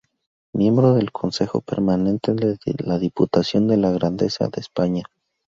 Miembro del Consejo Permanente de la Diputación de la Grandeza de España.